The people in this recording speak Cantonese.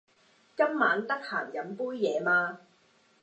今晚得閒飲杯嘢嘛？